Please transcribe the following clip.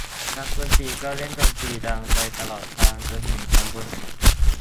นักดนตรีก็เล่นดนตรีดังไปตลอดทาง จนถึงตำบลหนึ่ง